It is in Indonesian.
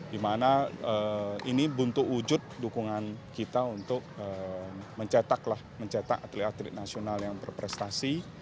dimana ini buntu wujud dukungan kita untuk mencetak atlet atlet nasional yang berprestasi